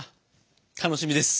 楽しみです。